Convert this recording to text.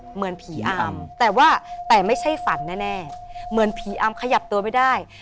เหมือนผีอามแต่ว่าแต่ไม่ใช่ฝันแน่เหมือนผีอามขยับตัวไม่ได้